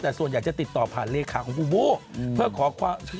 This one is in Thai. แต่ส่วนอยากจะติดต่อผ่านเลขาของบูบูเพื่อขอความ